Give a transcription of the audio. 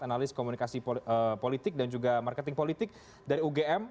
analis komunikasi politik dan juga marketing politik dari ugm